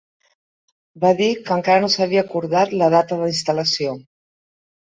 Va dir que encara no s'havia acordat la data d'instal·lació.